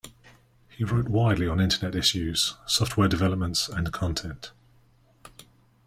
He wrote widely on internet issues, software developments and content.